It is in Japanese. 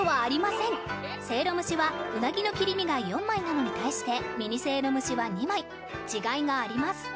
せいろ蒸しはうなぎの切り身が４枚なのに対してミニせいろ蒸しは２枚違いがあります